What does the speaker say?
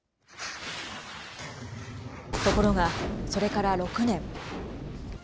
ところが、それから６年。